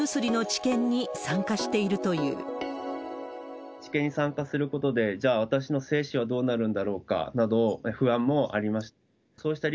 治験に参加することで、じゃあ、私の精子はどうなるんだろうかなど、不安もありました。